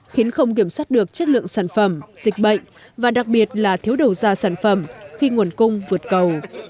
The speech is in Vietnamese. khiến không kiểm soát được chất lượng sản phẩm dịch bệnh và đặc biệt là thiếu đầu ra sản phẩm khi nguồn cung vượt cầu